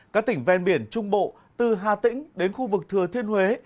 các tỉnh ven biển trung bộ từ hà tĩnh đến khu vực thừa thiên huế